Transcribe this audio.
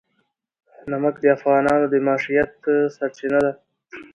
نمک د افغانانو د معیشت سرچینه ده.